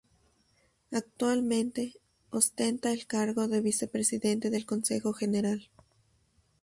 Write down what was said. Actualmente ostenta el cargo de vicepresidente del Consejo General.